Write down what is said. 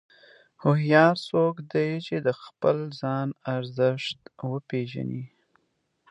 هوښیار څوک دی چې د خپل ځان ارزښت پېژني.